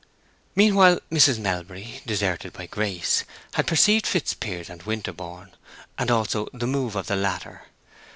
Meanwhile Mrs. Melbury, deserted by Grace, had perceived Fitzpiers and Winterborne, and also the move of the latter.